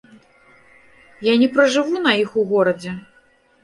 Я не пражыву на іх у горадзе.